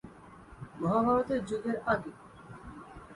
মহাভারতের যুগের আগে।